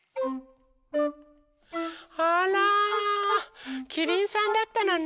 あらキリンさんだったのね。